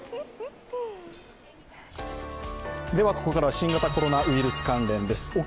ここからは新型コロナウイルス関連です。